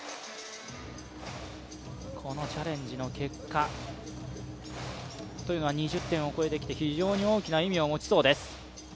このチャレンジの結果というのは２０点を超えてきて非常に大きな意味を持ちそうです。